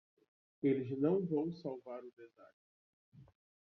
Eles não vão salvar o desastre